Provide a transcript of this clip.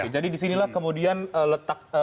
jadi di sinilah kemudian letak